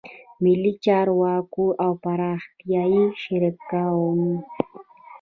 ملي چارواکو او پراختیایي شریکانو